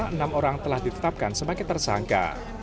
enam orang telah ditetapkan sebagai tersangka